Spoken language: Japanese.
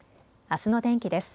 あすの天気です。